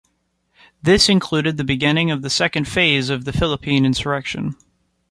This included the beginning of the second phase of the Philippine Insurrection.